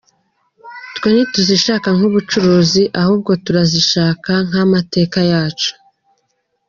Twe ntituzishaka nk’ubucuruzi, ahubwo turazishaka nk’amateka yacu.